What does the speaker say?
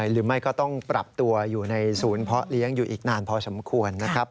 หรือไม่ก็ต้องปรับตัวอยู่ในศูนย์เพาะเลี้ยงอยู่อีกนานพอสมควรนะครับ